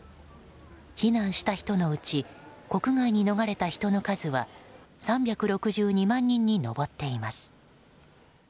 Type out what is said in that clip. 避難した人のうち国外に逃れた人の数は３６２万人に上っています。